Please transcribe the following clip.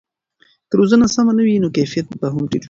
که روزنه سمه نه وي نو کیفیت به هم ټیټ وي.